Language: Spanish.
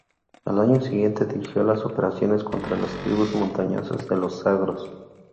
Al año siguiente, dirigió las operaciones contra las tribus montañosas de los Zagros.